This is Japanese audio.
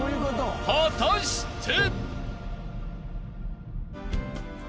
果たして］